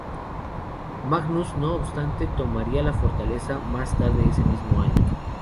Magnus, no obstante, tomaría la fortaleza más tarde ese mismo año.